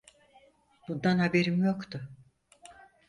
Bundan haberim yoktu.